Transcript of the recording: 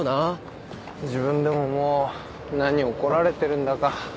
自分でももう何怒られてるんだか。